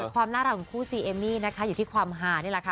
ความน่ารักของคู่ซีเอมมี่นะคะอยู่ที่ความหานี่แหละค่ะ